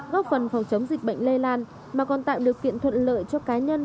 góp phần phòng chống dịch bệnh lây lan mà còn tạo điều kiện thuận lợi cho cá nhân